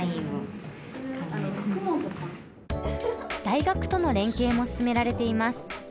大学との連携も進められています。